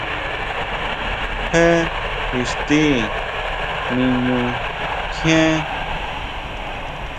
¿Jé íxtidí niñu kjien?